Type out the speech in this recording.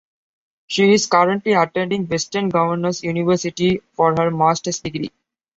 She is currently attending Western Governors University for her master's degree.